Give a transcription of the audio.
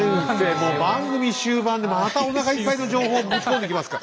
もう番組終盤でまたおなかいっぱいの情報をぶち込んできますか！